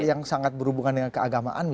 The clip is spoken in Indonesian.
yang sangat berhubungan dengan keagamaan